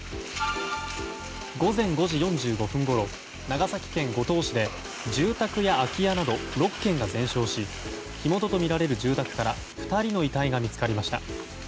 午前５時４５分ごろ長崎県五島市で住宅や空き家など６軒が全焼し火元とみられる住宅から２人の遺体が見つかりました。